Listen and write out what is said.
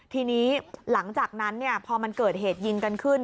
ทีนี้หลังจากนั้นพอมันเกิดเหตุยิงกันขึ้น